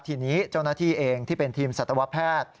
ทีนี้เจ้าหน้าที่เองที่เป็นทีมสัตวแพทย์